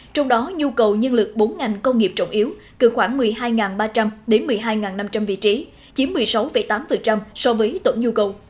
trong đó nhu cầu nhân lực bốn ngành công nghiệp trọng yếu cự khoảng một mươi hai ba trăm linh đến một mươi hai năm trăm linh vị trí chiếm một mươi sáu tám so với tổn nhu cầu